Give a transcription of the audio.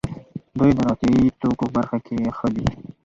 دوی د روغتیايي توکو په برخه کې ښه دي.